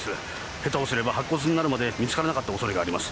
下手をすれば白骨になるまで見つからなかった恐れがあります。